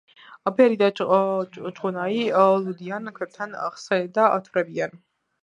ბერი და ჯღუნაი ლუდიან ქვებთან სხედან და თვრებიან